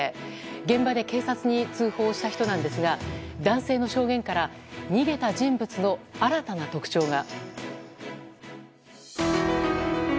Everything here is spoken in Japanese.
現場で警察に通報した人なんですが男性の証言から逃げた人物の新たな特徴が。